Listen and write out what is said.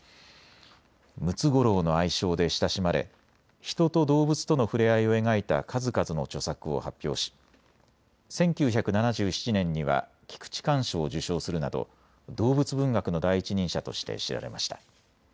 ムツゴロウの愛称で親しまれ人と動物との触れ合いを描いた数々の著作を発表し１９７７年には菊池寛賞を受賞するなど動物文学の第一人者として知られました。